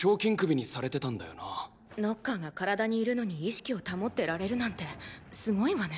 ノッカーが体にいるのに意識を保ってられるなんてすごいわね。